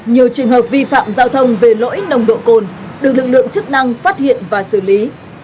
nhiều trường hợp vi phạm giao thông về lỗi nồng độ cồn được lực lượng chức năng phát hiện và xử lý